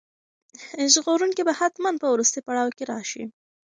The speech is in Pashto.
ژغورونکی به حتماً په وروستي پړاو کې راشي.